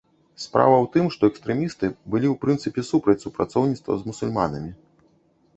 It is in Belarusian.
Справа ў тым, што экстрэмісты былі ў прынцыпе супраць супрацоўніцтва з мусульманамі.